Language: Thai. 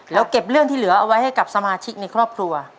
แล้วเก็บเรื่องที่เหลือเอาไว้ให้กับสมาชิกในครอบครัว